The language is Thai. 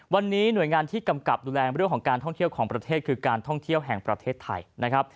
วันนี้หน่วยงานที่กำกับดูแลเรื่องของการท่องเที่ยวของประเทศคือการท่องเที่ยวแห่งประเทศไทยนะครับ